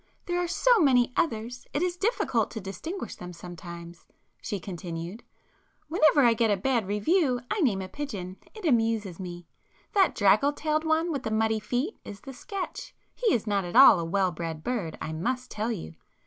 "There are so many others,—it is difficult to distinguish them sometimes,"—she continued,—"Whenever I get a bad review I name a pigeon,—it amuses me. That draggle tailed one with the muddy feet is the 'Sketch,'—he is not at all a well bred bird I must tell you!